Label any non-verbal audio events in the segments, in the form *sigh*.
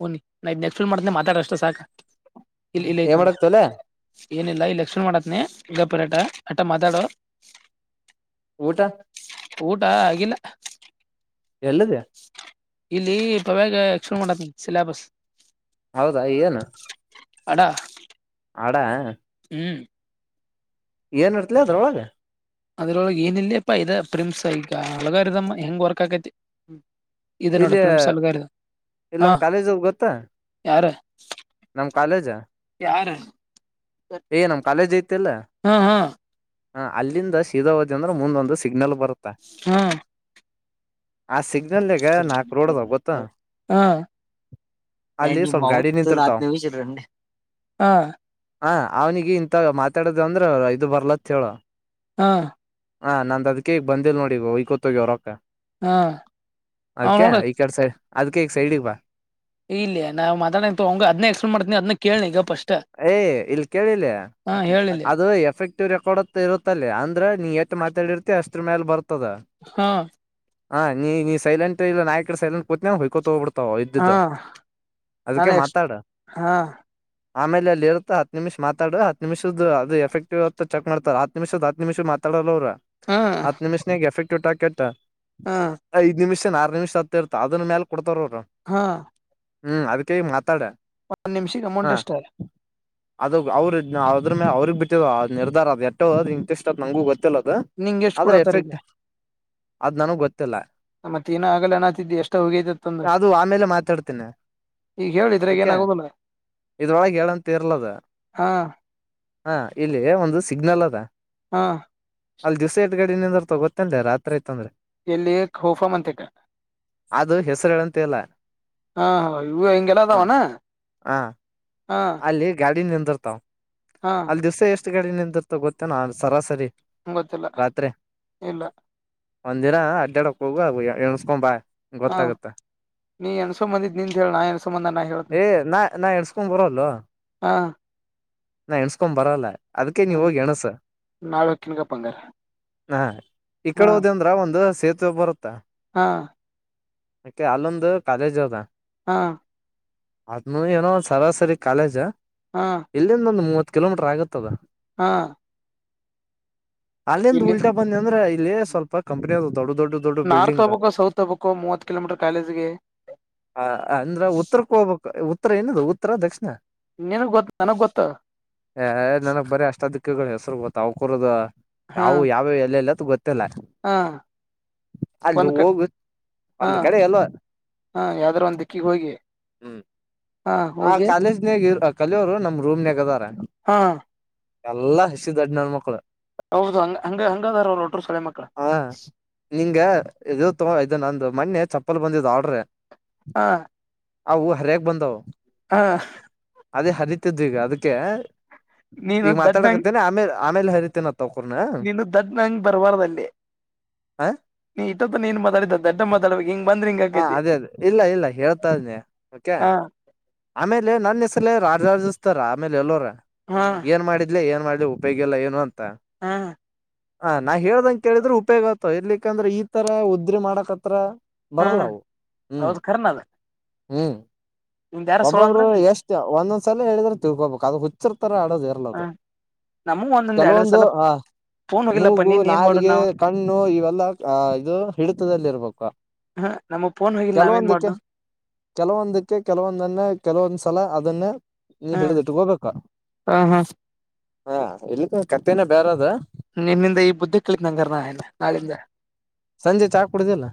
ಹಓನಿ ನಾ ನೆಕ್ಫುಲ್ ಮಾಡ್ತನೆ ಮಾತಾಡ ಅಷ್ಟೆ ಸಾಕ ಇಲ್ಲ ಇಲ್ಲ ಐತ್ ಏನ್ ನೋಡ ಮಾಡಕ್ತಲೆ ಏನಿಲ್ಲ ಇಲೆಕ್ಷನ್ ಮಾಡ ಗ ಗಪುರಾಟಾ ಆಟಾ ಮದಾಡ ಊಟ ಊಟ ಆಗಿಲ್ಲ ಎಲ್ಲಿದೆ ಇಲ್ಲಿ ಪಾವ್ಯಾಗ ಶ ಮೋಟ ಸಿಲೆಬಸ್ ಹೌದಾ ಏನು ಅಡ ಆಡ ಹ್ಮ ಏನ್ ಇರ್ತಿಲ ಅದ್ರೊಳಗೆ ಅದ್ರೊಳಗೆ ಏನ ಇಿಲ್ಲ ಅಪ್ಪಾ ಇದ ಪ್ರಿಮಸ್ ಈಗ ಹಳಗಾರದಮ್ಮ ಹೆಂಗ್ ವರ್ಕ್ ಆಕೈತಿ ಇದೆ ನೋಡ ಇಲ್ಲಿ ಪ್ರಿಮ್ಸ್ ಅಲ್ಗಾರಿದ ಹಾ ಇಲ್ಲಮ್ಮ ಕಾಲೇಜ ಗೊತ್ತ *inaudible* ನಮ್ ಕಾಲೇಜ ಚಾರ ಏ ನಮ್ ಕಾಲೇಜ್ ಐತಿಲ್ಲ ಹಾ ಹಾ ಹ ಅಲ್ಲಿಂದ ಶಿವ ಹೋದೆಂದ್ರ ಮುಂದೊಂದು ಸಿಗ್ನಲ್ ಬರ್ತ ಹಾ ಹ ಸಿಗ್ ಗ ನಾಕು ರೋಡ್ ಅದಾವ ಗೊತ್ತ ಹಾ ಅಲ್ಲಿ ನಿಮ್ಮ ಸ್ವಲ್ಪ ಅವನ್ ಗಾಡಿ ಹತ್ತು ನಿಂತಿರ್ತಾವ ನಿಮಿಷ ಇರ್ರಿ ಹಾ ಹ ಅವನಿಗೆ ಇಂತ ಡದ ಅಂದ್ರ ಇದು ಬರ್ಲತ್ ಚೋಳ ಹಾ ಹಾ ನಂದ್ ಅದಕೇಗ್ ಬಂದಿಲ್ ನೋಡಿ ವೈಕೋತ ಹೋಗ್ಯಾವ ರೊಕ್ಕ ಹಾ ಹ ನೋಡ ಅದಕ್ಕೇಗ ಸೈಡಿಗ್ ಬಾ ಇಲ್ಲ ನಾವ್ ಮಾತಾಡ ಹಂಗ ಅದ್ನ ಎಕ್ಸ್ಪ್ಲೇನ್ ಮಾಡ್ತೀನಿ ಅದನ ಕೇಳನಿ ಈಗ ಫಸ್ ಏ ಇಲ್ ಕೇಳಿಲ್ಲಿ ಹಾ ಹೇಳಿ ಯಿ ಲಿ ಅದು ಎಫೆಕ್ಟಿವ್ ರೆಕಾರ್ಡ್ ಇರುತ್ತಲ್ಲಿ ಅಂದ್ರೆ ನೀ ಎಷ್ಟು ಮಾತಾಡಿರ್ತಿ ಅಷ್ಟ್ರ ಮೇಾಲ ಬರ್ತ್ತ ಹಾ ಹಾ ನೀ ಸೈಲೆಂಟ್ ಇಲ್ಲ ನಾಯಕಡೆ ಸಲೆಟ್ ಕತವು ವೈ ಕೊತ ಹೋಗಿಬಿಡುತ ಹಾ ನ ಎ ಮಾತಾಡ ಹಾ ಆಮೇಲೆ ಅಲ್ಲಿ ಇರುತ್ತ ಹತ್ ನಿಮಿಷ ಮಾತಾಡ ಹ ನಿಮಷದ್ದ ಅದು ಎಫೆಕ್ಟಿವ್ ಆತ್ತ ಚಕ್ ಮಾಡತಾರೆ ಹತ್ ನಿಮಿಷ ಹತ್ತು ನಿಮಿದ ಮಾತಾಡಲ್ಲ ಅವರು ಹಾ ಹತ್ ನಿಮಿಷನೆಗೆ ಎಫೆಕ್ಟ್ ಹಾ *unintelligible* ಐದ ನಿಮಿಷ ಆರು ನಿಮಿಷ ಹತ್ತ ಇರ್ತ ಅದ್ರ ಮೇಲೆ ಕೊಡ್ತಾರ ಹೋಗ ಹಾ ಹ್ಮ್ ಅದಕಗ ಮಾತಾಡ ಒಂದ್ ನಿಮಿಷಕ್ಕೆ ಅಮೌಂಟ್ ಎಷ್ಟ ಅದ ಅವ್ರ ಅದ್ರ ಮೇಲೆ ಅವ್ರಗ್ ಬಿಟ್ಟದ ನಿರ್ಧಾರ ಅದು ಎಷ್ಟೋ ಅದು ಇಂಟಷ್ಟ ಅ ನಂಗೂ ಗೊತ್ತು ದು ನಿಂಗ ಎಷ್ಟ್ ಆದ್ರೆ ಕೊಡತಾರ ಈಗ ಎಫೆಕ್ಟ್ ಅದ್ ನನಗ್ ಗೊತ್ತ ತ್ತಿಲ್ಲ ಮತ್ ಏನ ಆಗಲ್ಲ ಅನ್ನತಿದ್ದಿ ಎಷ್ಟ ಹೋಗೈತಿತ್ತ ಅಂದ್ರ ಆ ಅದು ಆಮೇಲೆ ಮಾತಾಡ್ತೀನಿ ಈಗ ಹೇಳಿದ್ರಾಗ ಓಕೆ ಏನ ಆಗುದಿಲ್ಲ ಇದರೊಳಗೆ ಹೇಳುತ್ತಿರಲಿಲ್ಲ ಹಾ ಅದು ಒಂದು ಸಿಗ್ನಲ್ ಅದ ಹಾ ಅಲ್ಲಿ ದಿವಸೇಟ್ ಗಡಿನಿಂದ ಗೊತ್ತಂದೆ ರಾತ್ರಿ ಐತಂದ್ರೆ ಎಲ್ಲಿ ಹೋಫ ಮಂತಿಕ ಅದು ಹೆಸರು ಹೇಳಂತ ಇಲ್ಲ ಹ ಹ ಇ ಹ ಹಿಂಗೆಲ್ಲದಾವನಾ ಹ ಅಲ್ಲಿ ಗಾಡಿ ನಿ ತರ್ತಾ ಹಾ ಅಲ್ಲಿ ದಿವ್ಸ ಎಷ್ಟು ಡೆ ನಿಂತಿರ್ತ ಗೊತ್ತೇ ನ ಸರಾಸರಿ ಗೊತ್ತಿಲ್ಲ ಇಲ್ಲ ಒಂದು ದಿನ ಅಡ್ಡಾಡಕ್ಕ ಹೋಗು ಆಗ್ ಎಣಸ್ಕೊಂಬಾ ಹಾ ನೀ ಹೆಣುಸಂಬಂದಿದು ನಿಂದು ಹೇಳ ನಾನು ಹೇನು ಸಂಬಂಧ ನಾ ಹೇಳತನ ಲೋ ನಾ ಎಣಸ್ಕೊಂಡ್ ಬರಲ್ಲ ಅದಕ್ಕೆ ನೀವ ಹೋಗಿ ಎಣಸ ನಾಳೆ ಹೊಕ್ಕಿನ್ಗಪ್ಪ ಹಂಗಾರ ಆ ಈ ಹಾ ಕಡೆ ಹೋದ ಅಂದ್ರ ಒಂದು ಬರತಾ ಹಾ ಅಕೆ ಅಲ್ಲೊಂದು ಕಾಲೇಜ್ ಅದ ಹಾ ಅದ್ನು ಏನೋ ಸರಾಸರಿ ಕಾಲೇಜ ಹಾ ಇಲ್ಲಿಂದ ಒಂದು ಮೂವತ್ತು ಕಿಲೋಮೀಟರ್ ಆಗತ್ತದ ಹಾ ಅಲ್ಲಿಂದ ಇಲ್ಲಿ ಉಲ್ಟಾ ಬಂದಿ ಅಂದ್ರೆ ಇಲ್ಲಿ ಸ್ವಲ್ಪ ಕಂಪನಿ ಆದ ದೊಡ್ಡ ದೊಡ್ಡ ದೊಡ್ಡ ನಾರ್ತ್ ಬಿಲ್ಡಿಂಗ್ ಹೋಗ್ಬೇಕು ಸೌತ್ ಹೋಗ್ಬೇಕು ಮೂವತ್ ಕಿಲೋಮೀಟರ್ ಕಾಲೇಜ್ಗೆ ಅಂದ್ರ ಉತ್ತರಕ್ಕೆ ಹೋಗಬೇಕು ಏನ ಉತ್ತರ ದಕ್ಷಿ ನಿನಗ್ ಗೊತ್ತ *unintelligible* ನನಗ್ ಗೊತ್ತ ಏ ನನಗ್ ಬರೀ ಅಷ್ಟ ದಿಕ್ಕುಗಳ ಹೆಸರು ಗೊ ತಾವುಕುರೋದ ಹಾ ಯಾವು ಯಾವ್ಯ ಎಲ್ಲಲ್ಲ. ಇತ್ತಲ್ಲ ಹಾ ಅಲ್ಲಿ ಒಂದ್ ಕ ಹೋಗ ಹಾ ಒಂದ ಕಡೆ ಎಲ್ಲೊ ಹಾ ಯಾವ್ದಾರ ಒಂದ್ ದಿಕ್ಕಿಗ್ ಹೋಗಿ ಹ್ಮ್. ಹಾ ಆ ಹೋಗಿ ಕಾಲೇಜ್ನಗ ಕಲಿಯೋರು ನಮ ರೂಮ್ನಾಗದಾರ. ಹಾ ಎಲ್ಲಾ ಹಸಿ ದಡ್ ನನ್ಮಕ್ಳು. ಹೌದು ಹಂಗ ಹಂಗ ಹಂಗದಾರ ಅವ್ರ ಒಟ್ರು ಸೊಳೆ ಮಕ್ಳ ಹ ನಿಂಗ ಇದು ತೊ ಇದು ನಂದು ಮನ್ನೆ. ಚಪ್ಪಲ್ ಬಂದಿದ್ದ ಆಡ್ರೆ. ಹಾ ಅವು ಅರಿಯಕ್ ಬಂದವು. ಹಾ ಅದೇ ಹರಿತಿದ್ದ ಈಗ ಅದಕ್ಕೆ. ನೀನು ಈಗ ದಡ್ಡಂಗ್ ಮಾತಾಡಕತೇನೆ ಆಮೇಲೆ. ಆಮೇಲೆ ಹರಿತಿನ. ನೀನು ದಡ್ ನಂ ಬರ್ಬಾರ್ದಲ್ಲಿ. ನೀ ಇತ್ತ ನೀಏನ್ ಮಾತಾಡಿದ ದಡ್ ಮಾತಾಡಬೇಕಾಗ ಹಿಂಗ ಹಾ ಆಕೈತಿ ಅದೇ ಅದೇ ಇಲ್ಲ ಇಲ್ಲ ಹೇಳ್ತಾ ಇದನಿ ಓಕೆ ಹಾ ಆಮೇಲೆ ನನ್ನ ಹೆಸರಲೇ ರಾಜ ಇತ್ತಾರ ಆಮೇಲೆ ಎಲ್ಲೋರ. ಹಾ ಏನ್ ಮಾಡಿದ್ಲ ಏನ್ ಮಾಡಿ ಉಪಯೋಗಿಲ್ಲಲ್ಲ ಏನು ಅಂತ ಹಾ ತ ನಾ ಹೇಳ್ದಂಗ ಕೇಳಿದ್ರೆ ಉಪಯೋಗ ಆ ಇರ್ಲಿಕ್ಕಂದ್ರೆ ಈ ತರ ಉದ್ರೆ ಮಾಡಕ್ತ್ರ ಹ್ಮ ಹೌದು ಕರ್ನ ಅದ ಹ್ಮ್ ನಿಂದ ಯಾರ ಸೋಳ ಅಂದ್ರ ಒಬ್ಬೊಬ್ರು ನಿಂದ ಎಷ್ಟು ಒಂದೊ ಒಂದಸಲ ಹೇಳಿದ್ರ ತಿಳ್ಕೋಬೇಕು ಅದು ಹುಚ್ಚರ ತರ ಆಡೋದು ಹ ಇರಲದು ನಮೂ ಒಂದೊಂದ್ ಎರಡ್ ಕೆಲವೊಂದು ಸಲ ಅ ಫೋನ್ ಹೋಗಿಲ್ಲಪ್ಪ ನೀನ್ ಏನ್ ಮಾಡುದ್ ನಾವ್ ನಿನ್ನತರ ಅಳೋದು ಇರಲ್ಲ ಅದು ಕೆಲವೊಂದು ಮೂಗು ನಾಲಿಗೆ ಕಣ್ಣು ಇವೆಲ್ಲ ಇದು ಹಿಡಿತದಲ್ಲಿ ಇರ್ಬೇಕು ಹ ನಮಗ್ ಫೋನ್ ಹೋಗಿಲ್ಲ ನಾವೇನ್ ಕೆಲವೊಂದಕ್ಕೆ ಮಾಡುದ್ ಕೆಲವೊಂದಕ್ಕೆ ಕೆಲವೊಂದು ನನ್ನ ಕೆಲವೊಂದ್ ಸಲ ಅದನ್ನೇ ನೀನ್ ಹಾ ಹಿಡಿದಿಟ್ಟ ಹೋಗ್ಬೇಕಾ ಹಾ ಹಾ ಹಾ ಇಲ್ಲಿಕ ಕಥೆನೇ ಬೇರೇ ಆದ ನಿನ್ನಿಂದ ಈ ಬುದ್ಧಿ ಕಲಿತ್ ನಂಗಾರ ನಾ ನಾಳಿಂದ ಸಂಜೆ ಚಾ ಕುಡುದಿಲ್ಲ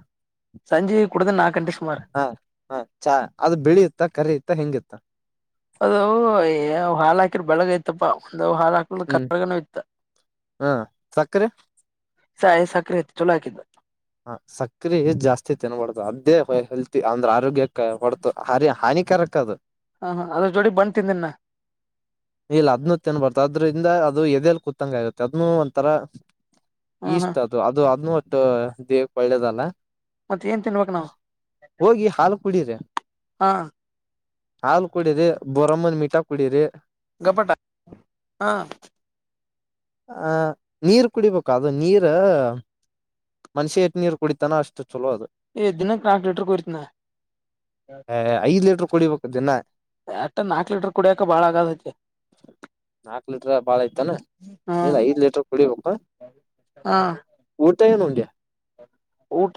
ಸಂಜೆ ಕುಡ್ದ ನಾಲ್ಕು ಗಂಟೆ ಸುಮಾರು ಹಾ ಹಾ ಚಾ ಅದು ಬೆಳಿಯುತ್ತೆ ತ್ತ ಕರಿ ಇತ್ತ ಹೆಂಗಿತ್ತ ಅದು ಹಾಲ್ ಹಾಕಿರ್ ಬೆಳಗ್ಯತಪ್ಪಾ ಹಾಳ ಹಾಕ ಹ್ಮ್ ಕಗ ಇಯತ್ತ ಹಾ ಸಕ್ಕರೆ ಸಾಯ ಸಕ್ರೆಯಿತ್ತು ಚಲೋ ಆಗಿತ್ತು ಹ ಸಕ್ರಿ ಜಾಸ್ತಿ ತಿನ್ನಬಾರದು ಅದೇ ವೈ ಹೆಲ್ತಿ ಅಂದ್ರೆ ಆರೋಗ್ಯಕ್ಕೆ ಹೊಡ್ತು ಹಾರಿ ಹಾನಿ ಕೆರಕದು ಹ ಹ ಅದ್ರ ಜೋಡಿ ಬಂದ್ತಿಂದನ್ನ ಇಲ್ಲ ಅದ್ನ್ನು ತಿನ್ಬರ್ತ ಅದ್ರಿಂದ ಅದು ಎದೆಲ್ ಕುೂತಂಗ ಆಗುತ್ತೆ ಅದ್ನ್ನು ಒಂಥರಾ ಹ್ಮ್ ಇಷ್ಟ ಹ್ಮ್ ಅದು ಅದು ಅದನೂ ದ ದೇಹಕ್ಕ ಒಳ್ಳೇದಲ್ಲ ಮತ್ ಏನ್ ತಿನ್ಬೇಕ್ ನಾವ್ ಹೋಗಿ ಹಾಲು ಕುಡೀರೆ ಹಾ ಹಾಲ್ ಕುಡೀರಿ ಬೋರಮ್ಮನ್ ಮೀಟಾ ಕುಡೀರಿ ಗಪಟ ಹಾ ಅಹ ನೀರ್ ಕುಡಿಬೇಕು ಅದು ನೀರ್ ಮನುಷ್ಯ ಎಷ್ಟ ನೀರ್ ಕುಡಿತಾನ ಅಷ್ಟು ಚಲೋ ಅದು ಏ ದಿನಕ್ಕೆ ನಾಲ್ಕು ಲೀಟರ್ ಕುರೀತಿನಿ ನಾ ಕುಡಿಬೇಕದಿನ ಎಷ್ಟ ನಾಕ್ ಲೀಟರ್ ಕುಡಿಯಕ ಬಾಳ ಆಗಾದತಿ ನಾಕ್ ಲೀಟರ್ ಬಾಳ ಆಯ್ತಾನ ಇಲ್ಲ ಹ್ಮ್ ಐದ್ ಲೀಟರ್ ಕುಡಿಬೇಕು ಹಾ *unintelligible* ಊಟ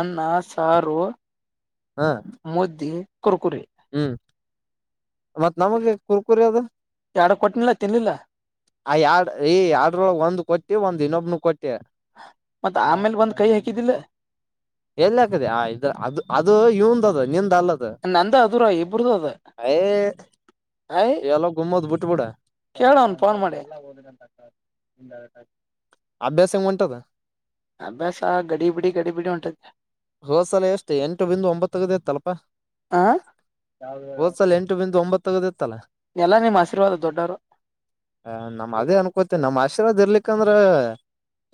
ಅನ್ನ ಸಾರು ಹಾ ಮಧ್ಯೆ ಕುರುಕುರಿ ಮತ್ತ್ ನಮಗ ಕುರಕುರಿ ಅದು ಯಾಡ ಕೊಟ್ಟನಿಲ್ಲ ತಿನ್ಲಿಲ್ಲ ಆ ಈ ಆಡ್ರ ಒಳಗೆ ಒಂದು ಕೊಚ್ಚ ಎ ಒಂದಿನ ಒ ಕೊ ಟೆ ಮತ್ ಆಮೇಲ್ ಬಂದ್ ಕೈ ಹಾಕಿದಿಲ್ಲ ಎಲ್ಲ ಹಾಕದಿ ಆ ಇದು ಅದು ಅದು. ಅದು ಇವನ್ಅದು ನೀನ್ ದಲ್ಲದು. ಇಬ್ರು ಇಬ್ಬರುದು ಆದ ಆಯ್. ಬುಡ. ಕೇಳು ಅವನು ಫೋನ್ ಮಾಡಿ. ಅಭ್ಯಾಸ ಹೆಂಗ್ ಹೊಂಟದ ಅಭ್ಯಾಸ ಗಡಿಬಿಡಿ ಗಡಿಬಿಡಿ ಹೊಂಟತಿ. ಹೋದ್ ಸಲ ಎಷ್ಟು ಎಂಟು ಬಿಂದು ಒಂಬತ್ತ ತಗದಿ ಅಂತ ಅಲ್ಪ ಹ ಹೋದ್ ಸಲ ಎಂಟು. ಒಂಬತ್ತಗದ. ತಲ ಎಲ್ಲಾ ನಿಮ್ ಆಶೀರ್ವಾದ ದೊಡ್ಡವರು ಅದೇ ಅನ್ಕೋತ ನಮ್ಮ್ ಆಶೀರ್ವಾದ ಇರಲ್ಲಿಕ್ ಯಾಕಂದ್ರೆ.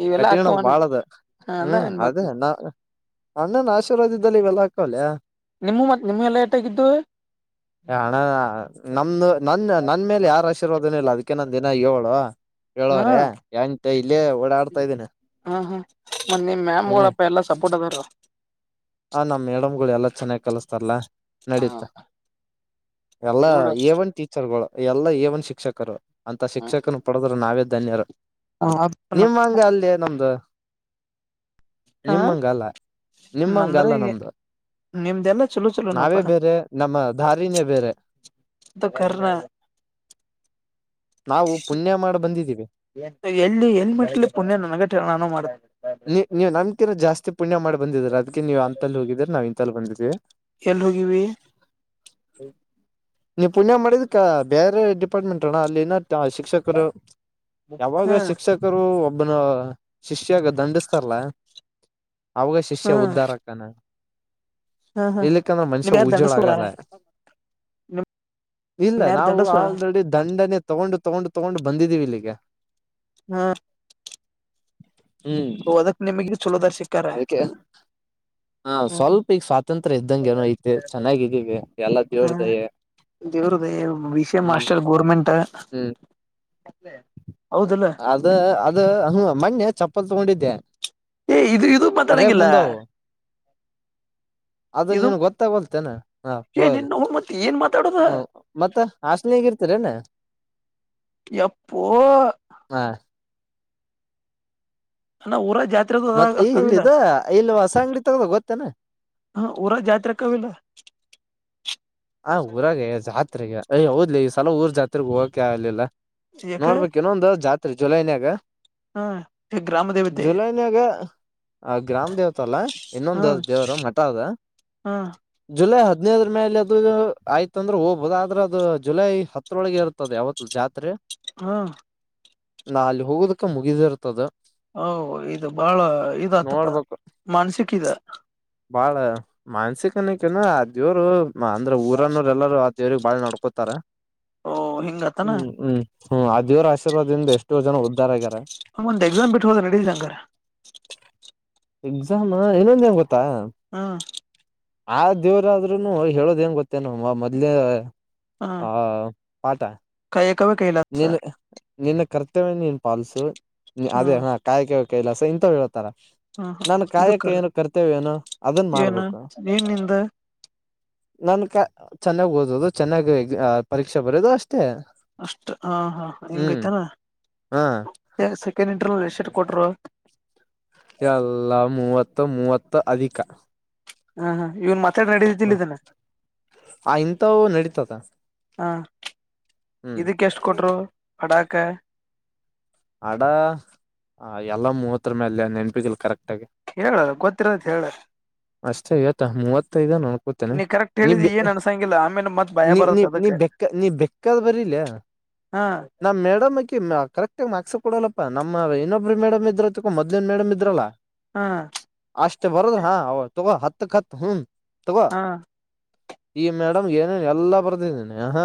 ಇವೆಲ್ಲಾ ಕಟ್ಟಿಗಣದ ಅಕ್ಕವನ ಬಾಳದ ಹ ಅಂದ ಹ್ಮ್ ಮತ್ ಅದೇ ನ. ಆಶೀರ್ವಾದ ಇದ್ದಲ್ಲಿ ಇವೆಲ್ಲ ಆಗ್ತಾವಲೇ ನಿಮ್ಮ ಮತ್ ನಿಮ್ಗೆ ಲೇಟ್ ಆಗಿದ್ದು ಅಣ್ಣಾ ನಮ ನನ್ ನನ್ನ ಮೇಲೆ ಯಾರ ಆಶೀರ್ವದನೂ ಇಲ್ಲ ಅದಕ್ಕೆ ನಾನ್ ದಿನ ಏಳು ಏಳುವರೆ ಎಂಟು ಇಲ್ಲೇ ಓಡಾಡ್ತಾ ಇದ್ದೀನಿ ಹ ಹ್ಮ ಮತ್ತೆ ನಿಮ್ಮ್ ಹ್ಮ್ ಮ್ಯಾಮ್ಗಳಪ್ಪ ಎಲ್ಲಾ ಸಪೋರ್ಟ್ ಅದಾರ ಆ ನಮ್ ಮೇಡಮ್ಗಳು ಎಲ್ಲಾ ಚೆನ್ನಾಗ್ ಕಲಸ್ತಾರಲ್ಲಾ ಹ ನಡೀತ ಎಲ್ಲಾ ನೋಡ ಏ ಒನ್ ಟೀಚರಗಳು. ಎಲ್ಲಾ ಎ ಒನ್ ಶಿಕ್ಷಕರು. ಅಂತ ಹ ಶಿಕ್ಷಕನು ಪಡೆದ್ರೆ ನಾವೇದ್ ಧನ್ಯರು ನಿಮ್ಮ ಹಂಗ ಅಲ್ಲಿ ನಮ್ದು ನಿಮ್ಮಂಗಲ್ಲ ನಿಮ್ಮಂಗ ಅಂದ್ರೆ ನಿಮ್ದೆಲ್ಲ ಚಲೋ ಚಲೋನಪ್ಪ ನಾವೇ ಬೇರೆ ನಮ್ಮ ದಾರಿನೇ ಬೇರೆ ಅದು ಕರ್ಣ ನಾವು ಪುಣ್ಯ ಮಾಡಿ ಬಂದಿದ್ದೀವಿ. ಎಲ್ಲಿ ಎಲ್ಲಿ ಮೆಟ್ಲಿ ಪುಣ್ಯ ನನಗಿಟ್ ಹೇಳು ನಾನು ಮಾಡತೀನಿ ನೀ ನೀವ್ ನೀವೇನ್ ಅಂತಲ್ಲಿ ಹೋಗಿದಿರ ನಾವು ಇಂತಲ್ಲಿ ಬಂದಿದೀವಿ. ಏಲ್ ಹೋಗಿವಿ ನೀವ್ ಪುಣ್ಯ ಮಾಡಿದಕ್ಕಾ ಬೇರೆ ಡಿಪಾರ್ಟ್ಮೆಂಟ್ ಅಣ್ಣ ಅಲ್ಲಿ ಇನ್ ಶಿಕ್ಷಕರು ಯಾವಾಗ ಹಾ ಶಿಕ್ಷಕರು ಒಬ್ಬನು ಶಿಷ್ಯಾಗ ದಂಡಸ್ತಾರಲ್ಲ ಅವಾಗ ಶಿಷ್ಯ ಹಾ ಉದ್ಧಾರಕ್ಕನ ಹಾ ಹಾ ಇಲ್ಲಕ್ಕಂದ್ರೆ ನಿಮ್ ಮನುಷ್ಯ ಯಾರ್ ಉಜೋಳ ದಂಡಸ್ವರ ಆಗಲ್ಲ ಇಲ್ಲ ನಿಮ್ ಯಾರ್ ನಾವು ದಂಡಸ್ವ ಆಲ್ರೆಡಿ ದಂಡ ಂಡೇ ತಗೊಂಡು ತಗೊಂಡು ತಗೊಂಡು ಬಂದಿದ್ದೀವಿ ಇಲ್ಲಿಗೆ *inaudible* *inaudible* ಹ್ಮ್ ಓದಕ್ ನಿಮಗ ಚಲೋದಾರ್ ಸಿಕ್ಕಾರ ಅದಕ್ಕೆ ಹ ಹ್ಮ್ ಸ್ವಲ್ಪ ಈಗ ಸ್ವಾತಂತ್ರ್ಯ ಇದ್ದಂ ಏನೋ ಐತಿ ಚೆನ್ನಾಗಿದ್ದೀವಿ ಎಲ್ಲ ಜೋವರದ ದೇವ್ರದ ವಿಷ ಮಾಸ್ಟರ್ ಗೌರ್ಮೆಂಟ್ *inaudible* *inaudible* ಹ್ಮ್ ಅದ ಅದ ಹ್ಮ ಮ್ಣೆ ಚಪ್ಪತಿ ತಗೊಂಡಿದ್ದೆ ಏ ಇದು ಇದು ಅರೇಗ್ ಮಾತಾಡಂಗಿಲ್ಲ ಮುಂದ ಅದು ಇದು ನೀನ್ ಗೊತ್ತಾಗೊಲ್ತೇನಾ ಹ ಏ ನಿನ್ನ ಮತ್ ಏನ್ ಮಾತಾಡೋದ ಹ ಮತ್ತ ಹಾಸನಗ ಇರ್ತೀರೇನಾ ಯಪ್ಪೋ ಹಾ ಅ ಊರ ಜಾಸ್ತಿ ಮತ್ತೆ ಇಲ್ಲದು ಇಲ್ಸ ಅಂಗಡಿ ತಗದ ಗೊತ್ತೇನಾ ಹ ಊರ ಜಾತ್ರೆ ಅಕ್ಕವಿಲ್ಲ ಹ ಊರಾಗ ಜಾತ್ರೆಗೆ ಅಯ ಹೌದ್ಲಿ ಸಲ ಊರ್ ಜಾತ್ರೆಗ್ ಹೋಗಕ ಯ ಆಗ್ಲಿಲ್ಲ ನೋಡ್ಬೇಕೇನೊ ಒಂದು ಜಾತಿ ಅ ಜುಲೈನ್ಯಾಗ ಹ್ಮ ಗ್ರಾಮದೇವತೆ ಜುಲೈನ್ಯಾಗ ಆ ಗ್ರಾಮ ದೇವ ಲ್ಲ ಇನ್ನೊಂದು ದೇವರು ಮಠ ಅದ ಹಾ ಜುಲೈ ಹತ್ತು ಇದ್ರ ಮೇಲೆ ಅ ಆಯ್ತಂದ್ರೆ ಹೋಗಬದ ಆದ್ರ ಅದು ಜುಲೈ ಹತ್ತರೊಳಗೆ ಇರ್ತದೆ ಯಾವತ್ತು ಜಾತ್ರೆ ಹಾ ನಾಾಲ ಹೋಗದಕ್ಕೆ ಮುಗಿದಿ ಇರ್ತದ ಹ ಇದು ಬಹಳ ಇದತ್ತಪ್ಪ ನೋಡ್ಬೇಕು ಮಾನ್ಸಿಿಕ ಬಾಳ ಮಾನಸಿಕನಿಕನು ಅ ದೇವರು ಹಾ ಅಂದ್ರೆ ಊರನ್ನೋ್ರ ಎಲ್ಲಾರೂ ದೇವ್ರಿಗೆ ಬಾಳ ನಡ್ಕೋತಾರೆ ಓ ಹಿಂಗತಾನ ಹ್ಮ್ ಅದ ದೇವರ ಆಶೀರ್ವಾದಿಂದ ಎಷ್ಟೋ ಜನ ಬಾರರ ಗಾರ ಒಂದ್ ಎಕ್ಸಾಮ್ ಬಿಟ್ಟು ಹೋದ್ರೆ ನಡಿತೀತ ಅಂಗದ್ರ ಎಕ್ಸಾಮ ಇನೊಂದ್ ಏನ್ ಗೊತ್ತ ತಾ ಹಾ ಆ ದೇವ್ರಾದ್ರೂನು ಹೇಳೋದ್ ಏನ್ ಗೊತ್ತೇನು ಮೊದ್ಲೇ ಹಾ ಆ ಆತ ಕಾಯಕವೇ ಕೈಲ ನಿನ್ನ ನಿನ್ನ ಕರ್ತ ಕರ್ತವ್ಯನ ನೀನು ಪಾಲಸು ಅದೇ ಹ್ಮ್ ಹಾ ಕಾಯಕ ಕೈಲಾಸ ಇಂತವ್ ಹೇಳ ತರ ಹ್ಮ್ ನಾನು ಕಾಯಕ್ಕೆ ಇದಕ್ಕರ ಏನು ಕರ್ತವ್ಯ ಏನೋ ಅದನ್ ಏನ ಮಾಡ್ಬೇಕು ನೀನಿಂದ ನನ್ ಕ ಚೆನ್ನಾಗ್ ಓದದು ಚೆನ್ನಾಗಿ ಎ ಪರೀಕ್ಷೆ ಬರಿಯೋದು ಅಷ್ಟೇ ಅಷ್ಟ ಹಾ ಹಾ ಹ್ಮ್ ಹಿಂಗೈತಾನ ಹಾ *unintelligible* ಎಲ್ಲ ಮೂವತ್ತು. ಮೂವತ್ತು ಅಧಿಕ. ಹಾ ಹಾ ಇವನ್ ಮತ್ತ ನಡದಿದ್ದಿಲ್ಲ ಇದನ್ನ ಆ ಇಂಥವು ನಡೀತದ ಹಾ ಹ್ಮ್ ಇದಕ್ಕೆ ಎಷ್ಟು ಕೊಟ್ರು. ಅಡಾಕ. ಹಡ ಎಲ್ಲ ಮೂವತ್ತ್ರು ಮೇಲೆ ನೆನಪಿಲ್ ಕರೆಕ್ ಹೇಳ ಗೊತ್ತಿರೋದ ಹೇಳ ಅಷ್ಟೇ ಇವತ್ತ ಮೂವತ್ತೈದ ಅನ್ಕೋತೇನೆ ನೀ ಕರೆಕ್ಟ್ ಹೇಳಿದ ಏನ್ ಅನ್ಸಂಗಿಲ್ಲ ಆಮೇಲೆ ಮತ್ ಭಯ ನೀ ಬರತ್ ನೀ ಅದಕ್ ಬೆಕ್ಕ ನೀ ಬೆಕ್ಕಾದ ಬರಿಲೆ ಹಾ ನಾ ಮೇಡಮ್ಮಕಿ ಕರೆಕ್ಟ್ ಮಕ್ಸ್ ಕೊಡಲ್ಲಪ್ಪ ನಮ್ಮ ಇನ್ನೊಬ್ಬ ಮೇಡಮ್ ಇದ್ರಲ ಮೊದ್ಲಿನ್ ಮೇಡಮ್ ಇದ್ರಲ್ಲ. ಹಾ ಅಷ್ಟೇ ಬರದ ಹಾ ಅವದು. ತು ಹತ್ತುಖತ್ ಹು. ಹಾ ಈ ಮೇಡಮ್ ಏನೇ ಎಲ್ಲಾ ಬರ್ದಿದ್ದೀನಿ ಆಹ.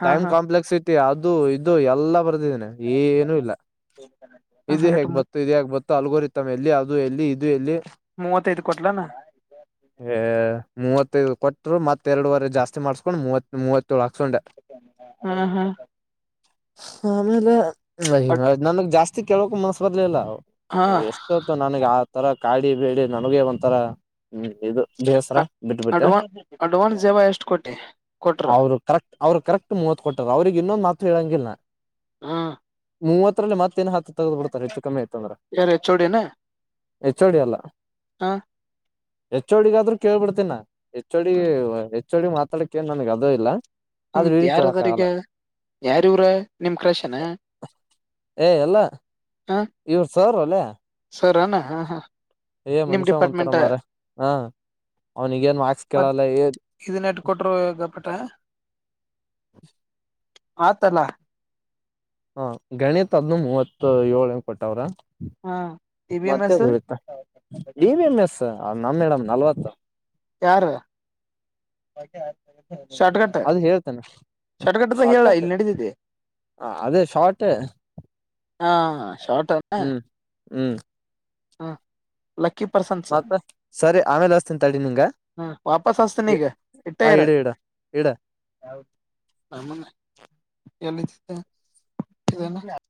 ಹಾ ಹಾ ಟೈಮ್ಕಾಂಪ್ಲೆಕ್ಸ್ ಇ ಅದು ಇದು ಎಲ್ಲ ಬರ್ದಿ ಏನೂ ಇಲ್ಲ ಇದು ಹ ಎಟ್ಟು ಹೇಗ್ ಬತ್ತು ಇದ ಹಗ್ ಬತ್ತು. ತಲ್ಗೋರಿತ್ತಮ್ಮ ಎಲ್ಲಿ ಅದು ಎಲ್ಲಿ ಇದು ಎಲ್ಲಿ. ಮೂವತ್ತೈದು ಕೊಟ್ಲಾನ ಹ ಮೂವತ್ತು. ಕೊಟ್ಟರು, ಮತ್ತೆ ಎರಡುವರೆ ಜಾಸ್ತಿ ಮಾಡಿಸ್ಕೊಂಡು ಮೂವತ್ ಮೂವತ್ ಹಾ ಹಾ ಆಮೇಲೆ ಹ ನನ್ಗ್ ಜಾಸ್ತಿ ಕೆಲಕು ಮನಸ್ಸು ಬರ್ಲಿಲ್ಲ ಹಾ ನಾವ್ ಎಷ್ಟೊತ್ತು ನನಗೆ ಆತರ ಕಾಡಿ ಬೇಡಿ ನನಗೆ ಒಂಥರಾ ಹ್ಮ್ ಇದು ಬೇಸರ ಬಿಟ್ಬಿಟ್ಟ ಅಡ್ವಾನ್ ಅಡ್ವಾನ್ಸ್ ಜವ ಎಷ್ಟ್ ಕೊಟ್ಟಿ ಕೊಟ್ರ ಅವರು ಕರೆಕ್ಟ್ ಅವರು ಕರೆಕ್ಟ್ ಮೂವತ್ ಕೊಟ್ಟವ ಅವರಿಗೆ ಇನ್ನೊಂದು ಹತ್ತು ತಿಲಂಗಿಲ್ಲ ಹಾ ಮೂವತ್ತ್ರಿಂದ ಮತ್ತ. ಹತ್ತಿನ ಹತ್ತು ತೆಗೆದು ಬಿಡ್ತಾರೆ ಹೆಚ್ಚು ಕಮ್ಮಿ ಆಯ್ತು ಅಂದ್ರೆ ಯಾರ ಎಚ್ ಓ ಡಿ ಅಲ್ಲ ಹ್ ಎಚ್ ಓಡಿಗೆ ಆದ್ರೂ ಕೇಳ್ಬಿಡ್ತೀನಿ ಹೆಚ್ಚುಡಿಯುವ ಚಡಿ ಮಾತಾಡಕ್ಕೆ ಏನ್ ನನಗೆ ಅದು ಇಲ್ಲ ಆದ್ರೆ ನಮಗೆ ಇವ್ರಿಗೆ ಕೇಳಕ್ ಯಾರಿವಗಿದ್ದಾರೆ ಆಗಲ್ಲ ಹೇಳು ಯಾರಿವರು ನಿಮ್ ಕ್ರಶ್ ಏನು ಏ ಎಲ್ಲಾ ಇವರು ಸರ್ ವಲ್ಲೆ ಸರನಾ ಹ ಹಾ ಏ ಮನುಷ್ಯ ಒಂಥರಾ ಮಾರ ಹ ಅವನಿಗೆ ಏನು ವ್ಯಾಕ್ಸ್ ಕೇಳಲ್ಲ ಏ ಅ ಆತಲ್ಲ ಹಾ ಗಣಿತ್ ಅದನ್ನು ಮೂವತ್ತು ಏಳು ಏನು ಕೊಟ್ಟವ್ರ ಹ ಟಿ ಬಿ ಎಂ ಮತ್ತೆ ಎಸ್ ಬೀಳುತ್ತಾ ಡಿ ಬಿಎಂಎಸ್ ನಮ್ ಮೇಡಂ ನಾಲ್ವತ್ತು ಲಕ್ಕಿ ಹಾಕ್ಬೇಕು ಶಾರ್ಟ್ ಕಟ್ ‌ ಅದು ಹೇಳ್ತೇನೆ ಶಾರ್ಟ್ ಕಟ್ ಅಂತ ಹೇಳು ಇಲ್ಲಿ ನಡಿತೈತಿ ಅದೇ ಶಾರ್ಟ್ ಆ ಶಾಟನಾ ಹ್ಮ ಅ ಲಕ್ಕಿ ಪರ್ಸನ್ಸ್ ಸರಿ ಆಮೇಲೆ ಹಚ್ತೀನಿ ತಡಿ ನಿಂಗ ವಾಪಸ್ ಹ್ ಹಚ್ತೀನಿ ಈಗ ಇಟ್ಟ ಹಾ ಇರ ಇಡು ಇಡು ಇಡು ಯಾವಾಗ ಮೊನ್ನೆ ಇಲ್ಲ